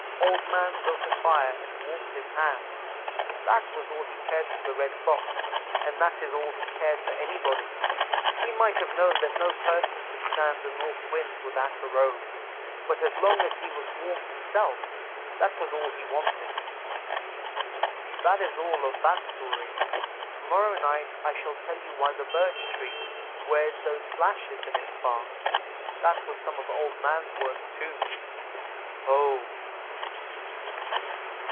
Old man built a fire and warmed his hands; that was all he cared for the Red Fox, and that is all he cared for anybody. He might have known that no person could stand the north wind without a robe; but as long as he was warm himself that was all he wanted. "That is all of that story. To morrow night I shall tell you why the birch tree wears those slashes in its bark. That was some of Old man's work, too. Ho!"